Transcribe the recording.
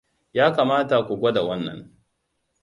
Ya kamata ku gwada wannan.